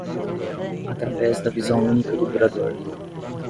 Através da visão única do curador